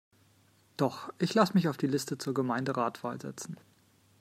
Doch, ich lasse mich auf die Liste zur Gemeinderatwahl setzen.